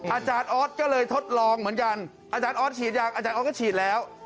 อาจารย์ออสก็เลยทดลองเหมือนกันอาจารย์ออสฉีดยังอาจารย์ออสก็ฉีดแล้ว